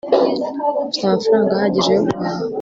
mfite amafaranga ahagije yo guhaha